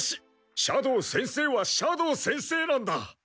斜堂先生は斜堂先生なんだ！